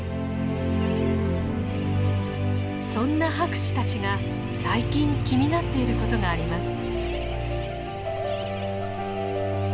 そんな博士たちが最近気になっていることがあります。